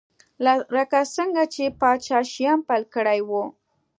لکه څرنګه چې پاچا شیام پیل کړی و.